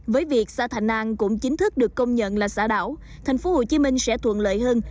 với việc xã thạnh an cũng chính thức được công nhận là xã đảo tp hcm sẽ thuận lợi hơn